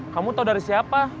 kamu tahu dari siapa